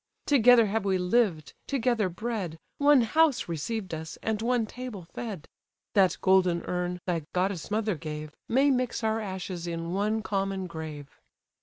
Together have we lived; together bred, One house received us, and one table fed; That golden urn, thy goddess mother gave, May mix our ashes in one common grave."